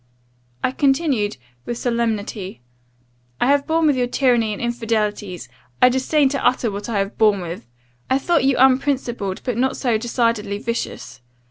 "I continued, with solemnity, 'I have borne with your tyranny and infidelities. I disdain to utter what I have borne with. I thought you unprincipled, but not so decidedly vicious.